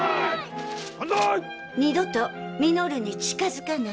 二度と稔に近づかないで。